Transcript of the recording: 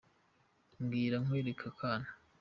mbwira nkwereke akana